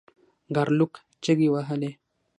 ګارلوک چیغې وهلې.